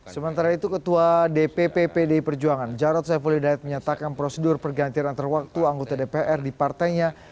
sementara itu ketua dpp pdi perjuangan jarod saifulidat menyatakan prosedur pergantian antarwaktu anggota dpr di partainya